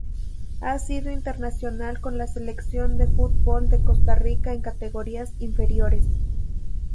Ha sido internacional con la Selección de fútbol de Costa Rica en categorías inferiores.